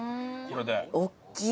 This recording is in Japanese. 大きい！